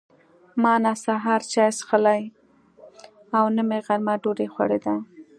ما نه سهار چای څښلي او نه مې غرمه ډوډۍ خوړلې ده.